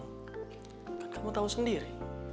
kan kamu tau sendiri